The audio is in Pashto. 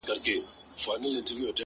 • په سپورږمۍ كي زمــــــــــا زړه دى ـ